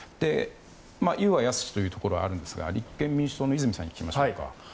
言うは易しというところもあるんですが立憲民主党の泉さんに聞きましょうか。